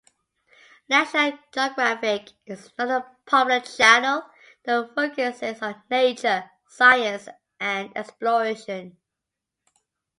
National Geographic is another popular channel that focuses on nature, science, and exploration.